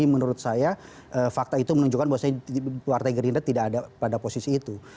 menurut saya fakta itu menunjukkan bahwasanya partai gerindra tidak ada pada posisi itu